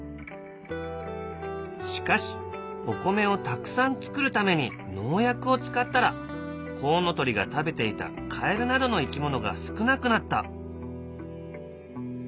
しかしお米をたくさん作るために農薬を使ったらコウノトリが食べていたカエルなどの生き物が少なくなった。